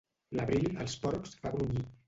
L'abril els porcs fa grunyir.